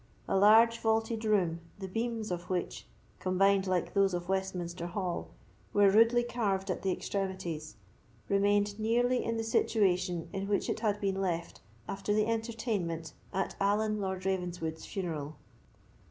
A large vaulted room, the beams of which, combined like those of Westminster Hall, were rudely carved at the extremities, remained nearly in the situation in which it had been left after the entertainment at Allan Lord Ravenswood's funeral.